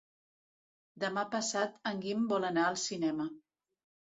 Demà passat en Guim vol anar al cinema.